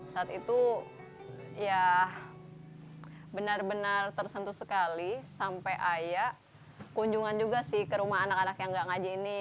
saat itu ya benar benar tersentuh sekali sampai ayah kunjungan juga sih ke rumah anak anak yang gak ngaji ini